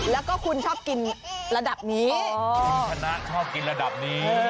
แล้วก็คุณชอบกินระดับนี้คุณชนะชอบกินระดับนี้